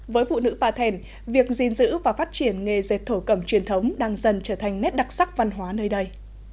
với phụ nữ pa thèn việc gìn giữ và phát triển nghề dệt thổ cẩm truyền thống đang dần trở thành nét đặc sắc văn hóa nơi đây